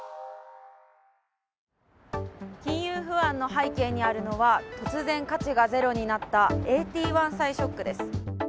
金融不安の背景にあるのは突然、価値がゼロになったＡＴ１債ショックです。